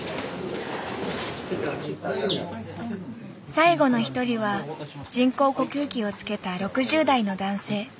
最後の一人は人工呼吸器をつけた６０代の男性。